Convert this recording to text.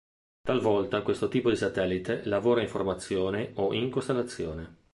Talvolta questo tipo di satellite lavora in formazione o in costellazione.